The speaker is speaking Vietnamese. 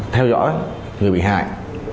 theo dõi người bị hại